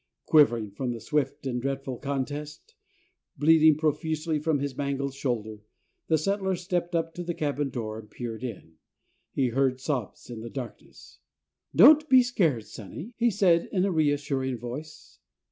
Quivering from the swift and dreadful contest, bleeding profusely from his mangled shoulder, the settler stepped up to the cabin door and peered in. He heard sobs in the darkness. "Don't be scared, sonny," he said, in a reassuring voice.